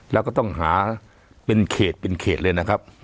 แล้วก็ต้องหาเป็นเขตเป็นเขตเลยนะครับ